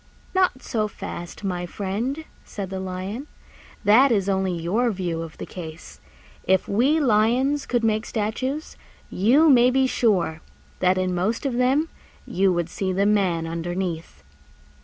"Not so fast, my friend," said the Lion: "that is only your view of the case. If we Lions could make statues, you may be sure that in most of them you would see the Man underneath."